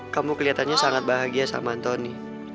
kamu keliatannya sangat bahagia sama antoni